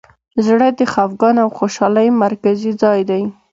زړه د خفګان او خوشحالۍ مرکزي ځای دی.